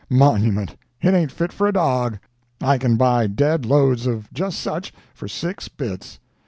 Monument! it ain't fit for a dog—I can buy dead loads of just such for six bits.